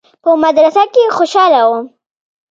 په مدرسه کښې خوشاله وم.